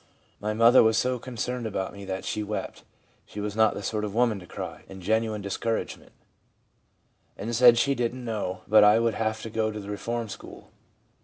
My mother was so concerned about me that she wept (she was not the sort of woman to "cry") in genuine discouragement, and said she didn't know but I would have to go to the reform school.